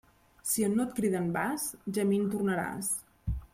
Si on no et criden vas, gemint tornaràs.